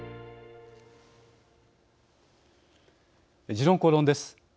「時論公論」です。